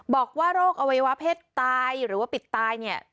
บอกว่าโรคอวัยวะเพศตายหรือว่าปิดตายเนี่ย